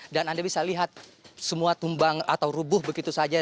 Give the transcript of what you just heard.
dan anda bisa lihat semua tumbang atau rubuh begitu saja